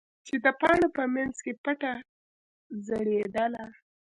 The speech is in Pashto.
چې د پاڼو په منځ کې پټه ځړېدله.